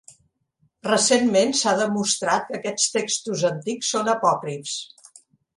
Recentment, s'ha demostrat que aquests textos antics són apòcrifs.